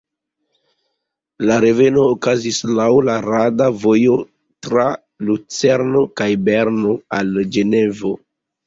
La reveno okazis laŭ la rada vojo tra Lucerno kaj Berno al Ĝenevo.